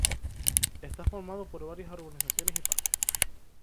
Está formado por varias urbanizaciones y parques.